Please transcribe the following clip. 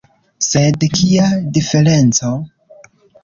Sed, kia diferenco!